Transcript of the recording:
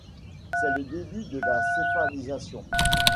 C'est le début de la céphalisation.